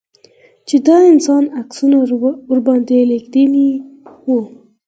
چې د انسان عکسونه ورباندې لگېدلي وو.